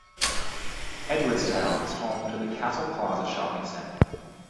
Edwardstown is home to the Castle Plaza Shopping Centre.